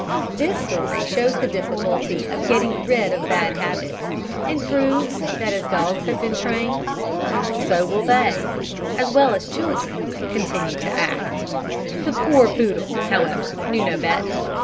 This story shows the difficulty of getting rid of bad habits, and proves that as dogs have been trained, so will they as well as children continue to act. The poor poodle, however, knew no better.